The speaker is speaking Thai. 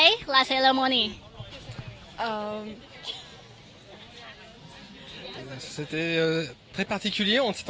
แกกับจักรที่ไหนคะ